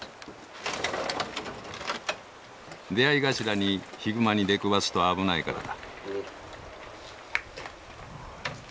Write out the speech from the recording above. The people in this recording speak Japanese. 出会い頭にヒグマに出くわすと危ないからだ。